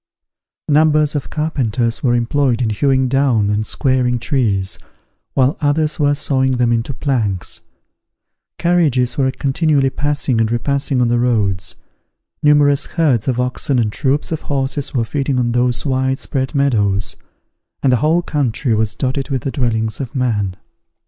Numbers of carpenters were employed in hewing down and squaring trees, while others were sawing them into planks; carriages were continually passing and repassing on the roads; numerous herds of oxen and troops of horses were feeding on those wide spread meadows, and the whole country was dotted with the dwellings of man.